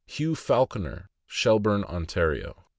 Hugh Falconer, Shelburne, Ontario.